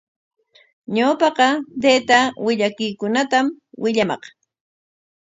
Ñawpaqa taytaa willakuykunatami willamaq.